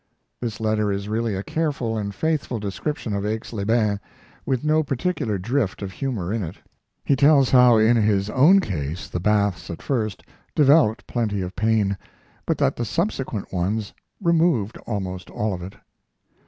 This letter is really a careful and faithful description of Aix les Bains, with no particular drift of humor in it. He tells how in his own case the baths at first developed plenty of pain, but that the subsequent ones removed almost all of it.